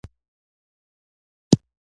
د خپل کور او ماحول صفا ساتلو هڅې کوي.